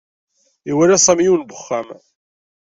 Iwala Sami yiwen n uxxam.